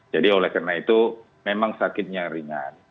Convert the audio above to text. jadi oleh karena itu memang sakitnya ringan